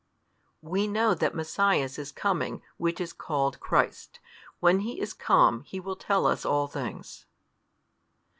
We know that Messias is coming, Which is called Christ: when He is come, He will tell us all things.